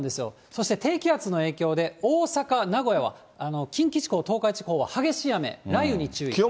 そして低気圧の影響で、大阪、名古屋は、近畿地方、東海地方は激しい雨、雷雨に注意です。